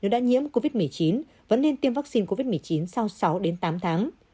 đã nhiễm covid một mươi chín vẫn nên tiêm vaccine covid một mươi chín sau sáu đến tám tháng